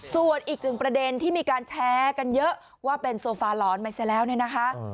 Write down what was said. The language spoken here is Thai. ส่วนอีกหนึ่งประเด็นที่มีการแชร์กันเยอะว่าเป็นโซฟาหลอนไปเสร็จแล้วเนี่ยนะคะ